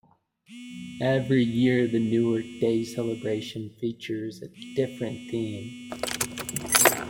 Every year, the Newark Days Celebration features a different theme.